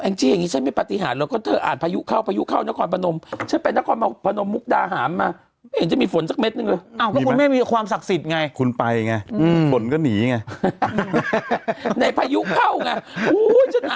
นี่เหมือนอาจารย์แล้วก็เทพพระภายเทพทั้งสองนั่น